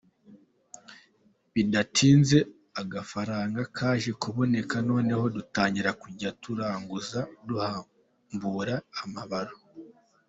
Bidatinze agafaranga kaje kuboneka noneho dutangira kujya turanguza, duhambura amabaro.